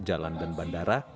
jalan dan bandara